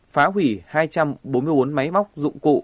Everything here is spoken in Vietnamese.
phá hủy hai trăm bốn mươi bốn máy móc dụng cụ